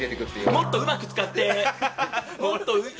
もっとうまく使ってー。